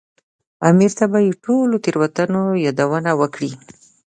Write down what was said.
امیر ته به د ټولو تېریو یادونه وکړي.